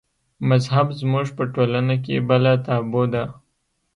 مذهب زموږ په ټولنه کې بله تابو ده.